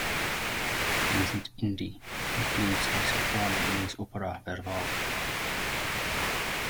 Vincent d'Indy includes a soprano in his opera Fervaal.